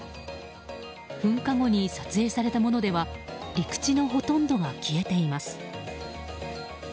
噴火後に撮影されたものでは陸地のほとんどが消えています。